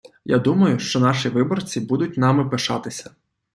Я думаю, що наші виборці будуть нами пишатися.